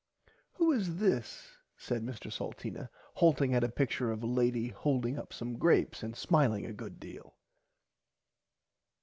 Who is this said Mr Salteena halting at a picture of a lady holding up some grapes and smiling a good deal.